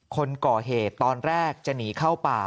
คนก่อเหตุตอนแรกจะหนีเข้าป่า